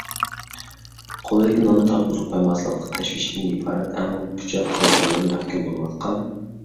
«قولىدىكى ناننى تارتقۇزۇپ قويماسلىق» تەشۋىشىدىن ئىبارەت ئەڭ پۈچەك قايغۇلارغا مەھكۇم بولۇۋاتقان.